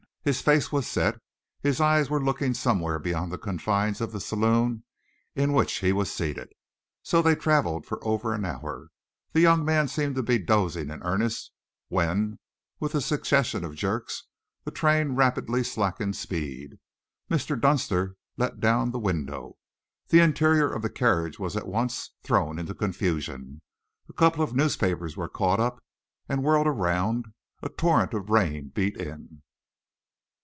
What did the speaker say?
His face was set, his eyes were looking somewhere beyond the confines of the saloon in which he was seated. So they travelled for over an hour. The young man seemed to be dozing in earnest when, with a succession of jerks, the train rapidly slackened speed. Mr. Dunster let down the window. The interior of the carriage was at once thrown into confusion. A couple of newspapers were caught up and whirled around, a torrent of rain beat in.